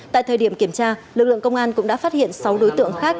tại thời điểm kiểm tra lực lượng công an cũng đã phát hiện sáu đối tượng khác